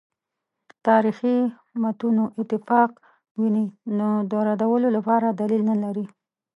تاریخي متونو اتفاق ویني نو د ردولو لپاره دلیل نه لري.